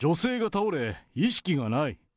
女性が倒れ、意識がない。